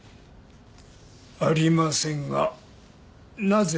ありませんがなぜですか？